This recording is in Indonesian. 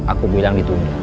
aku bilang ditunda